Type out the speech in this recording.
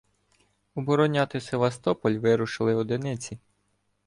Обороняти Севастополь вирушили одиниці.